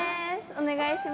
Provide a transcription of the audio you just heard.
お願いします。